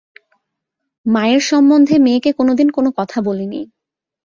মায়ের সম্বন্ধে মেয়েকে কোনোদিন কোনো কথা বলিনি।